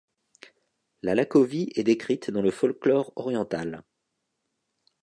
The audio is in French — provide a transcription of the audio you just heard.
La lacovie est décrite dans le folklore oriental.